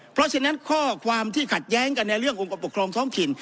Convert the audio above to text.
เพราะฉะนั้นข้อความที่ขัดแย้งกันในเรื่ององค์กรปกครองท้องถิ่น